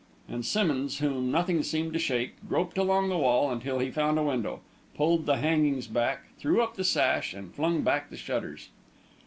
And Simmonds, whom nothing seemed to shake, groped along the wall until he found a window, pulled the hangings back, threw up the sash, and flung back the shutters.